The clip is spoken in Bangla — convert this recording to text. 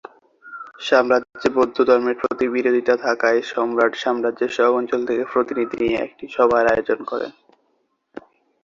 সাম্রাজ্যে বৌদ্ধ ধর্মের প্রতি বিরোধিতা থাকায় সম্রাট সাম্রাজ্যের সব অঞ্চল থেকে প্রতিনিধি নিয়ে এক সভার আয়োজন করেন।